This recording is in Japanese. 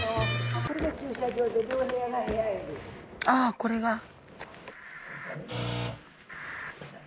あこれが。